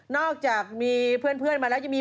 อกจากมีเพื่อนมาแล้วยังมี